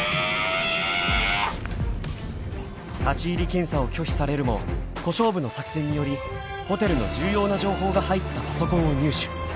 ［立入検査を拒否されるも小勝負の作戦によりホテルの重要な情報が入ったパソコンを入手］